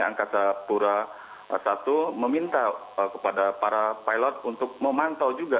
angkasa pura i meminta kepada para pilot untuk memantau juga